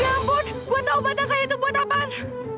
ya ampun gue tau batang kayu itu buat apaan